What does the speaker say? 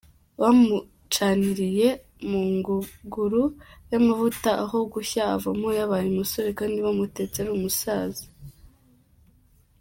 Bamucaniriye mu ngunguru y’amavuta aho gushya avamo yabaye umusore kandi bamutetse ari umusaza.